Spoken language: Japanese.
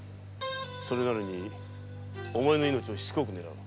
それなのにお前の命をしつこく狙う。